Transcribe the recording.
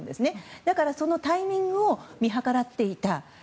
だからそのタイミングを見計らっていた。